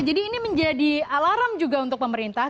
jadi ini menjadi alarm juga untuk pemerintah